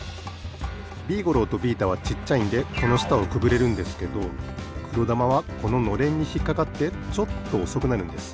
ビーゴローとビータはちっちゃいんでこのしたをくぐれるんですけどくろだまはこののれんにひっかかってちょっとおそくなるんです。